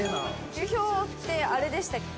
流氷ってあれでしたっけ？